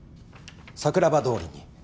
桜庭通りに。